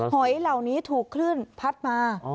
หอยเหล่านี้ถูกคลื่นพัดมา